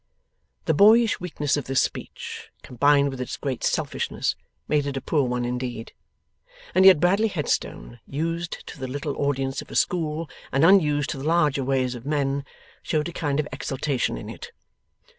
The boyish weakness of this speech, combined with its great selfishness, made it a poor one indeed. And yet Bradley Headstone, used to the little audience of a school, and unused to the larger ways of men, showed a kind of exultation in it.